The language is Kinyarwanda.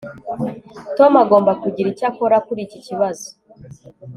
tom agomba kugira icyo akora kuri iki kibazo